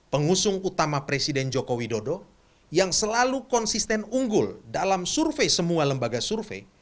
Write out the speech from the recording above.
pengusung utama presiden joko widodo yang selalu konsisten unggul dalam survei semua lembaga survei